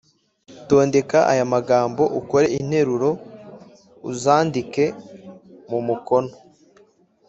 Tondeka aya magambo ukore interuro, uzandike mu mukono.